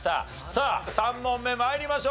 さあ３問目参りましょう。